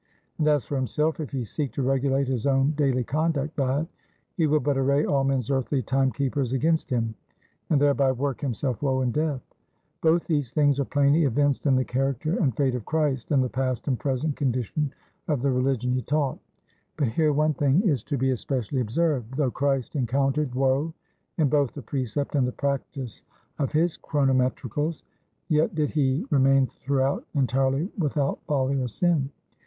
And as for himself, if he seek to regulate his own daily conduct by it, he will but array all men's earthly time keepers against him, and thereby work himself woe and death. Both these things are plainly evinced in the character and fate of Christ, and the past and present condition of the religion he taught. But here one thing is to be especially observed. Though Christ encountered woe in both the precept and the practice of his chronometricals, yet did he remain throughout entirely without folly or sin.